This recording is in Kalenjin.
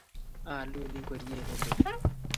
Aalun ngoryet ne lel.